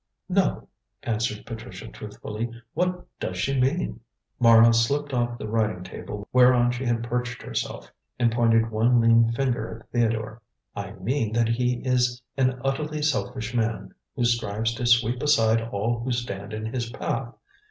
"No," answered Patricia truthfully; "what does she mean?" Mara slipped off the writing table whereon she had perched herself, and pointed one lean finger at Theodore. "I mean that he is an utterly selfish man, who strives to sweep aside all who stand in his path.